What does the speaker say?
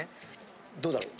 どうだろう？